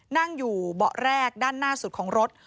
นั่งอยู่เบาะแรกด้านหน้าสุดของรถ